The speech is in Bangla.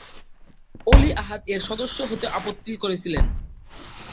অলি আহাদ এর সদস্য হতে আপত্তি করেছিলেন।